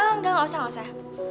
engga gak usah